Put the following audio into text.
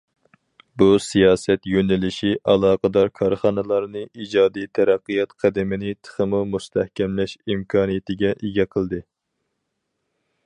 بۇ سىياسەت يۆنىلىشى ئالاقىدار كارخانىلارنى ئىجادىي تەرەققىيات قەدىمىنى تېخىمۇ مۇستەھكەملەش ئىمكانىيىتىگە ئىگە قىلدى.